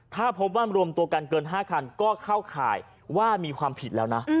ถ้าพบว่ารวมตัวกันเกิน๕คันก็เข้าข่ายว่ามีความผิดแล้วนะ